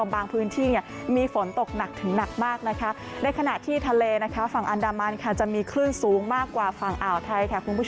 บางพื้นที่มีฝนตกหนักถึงหนักมากในขณะที่ทะเลศักดิ์อันดามันจะมีครื่นสูงมากกว่าภาคอ่าวไทย